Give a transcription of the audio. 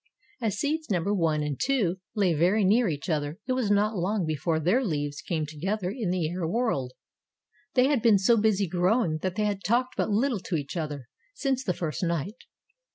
As seeds number One and Two lay very near each other it was not long before their leaves came together in the air world. They had been so busy growing that they had talked but little to each other since the first night.